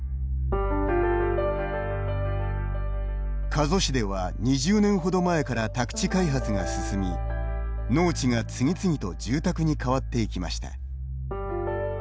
加須市では２０年ほど前から宅地開発が進み農地が次々と住宅に変わっていきました。